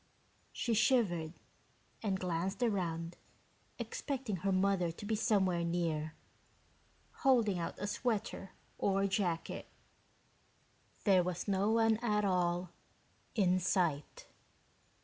She shivered and glanced around expecting her mother to be somewhere near, holding out a sweater or jacket. There was no one at all in sight.